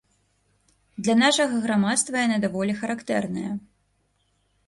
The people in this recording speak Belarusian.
Для нашага грамадства яна даволі характэрная.